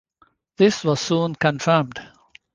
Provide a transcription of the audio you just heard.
This was soon confirmed.